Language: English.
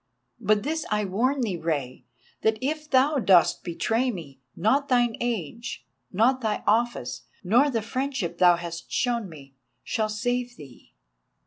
But this I warn thee, Rei, that if thou dost betray me, not thine age, not thy office, nor the friendship thou hast shown me, shall save thee."